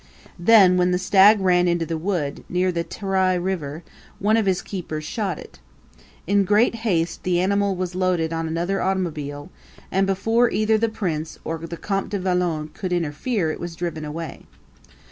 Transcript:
Then when the stag ran into the wood, near the Trye River, one of his keepers shot it. In great haste the animal was loaded on another automobile; and before either the prince or Comte de Valon could interfere it was driven away.